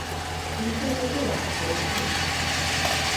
言いたいことはそれだけです。